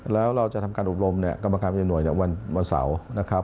แล้วเราจะทำการอบรมเนี่ยกรรมการประจำหน่วยวันเสาร์นะครับ